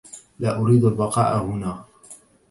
لا أريد البقاء هنا.